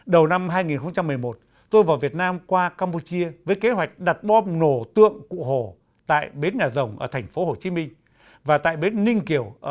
đầu năm hai nghìn một mươi một tôi vào việt nam qua campuchia với kế hoạch đặt bom nổ tượng cụ hồ tại bến nhà rồng ở thành phố hồ chí minh và tại bến ninh kiều ở cần thơ